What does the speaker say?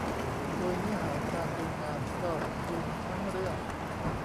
โดยเนื้อหาการดูงานครอบคลุมทั้งเรื่อง